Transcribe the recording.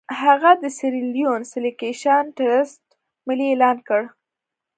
هغه د سیریلیون سیلکشن ټرست ملي اعلان کړ.